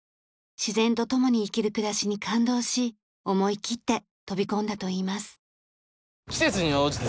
自然とともに生きる暮らしに感動し思い切って飛び込んだといいます。